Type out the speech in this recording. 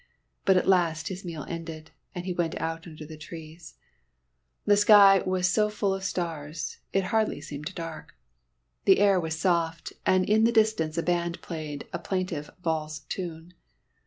But at last his meal ended, and he went out under the trees. The sky was so full of stars it hardly seemed dark. The air was soft, and in the distance a band played a plaintive valse tune.